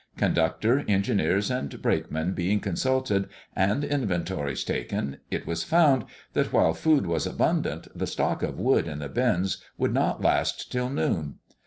Conductor, engineers and brakemen being consulted, and inventories taken, it was found that while food was abundant, the stock of wood in the bins would not last till noon.